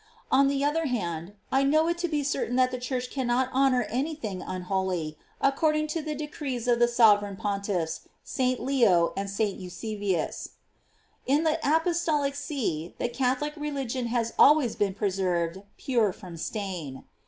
On the other hand I know it to be certain that the Church cannot honor any thing unholy, according to the decrees of the sovereign pontiffs St. Leof and St. Eusebius : "In the Apostolic See the Catholic religion has always been preserved pure from stain.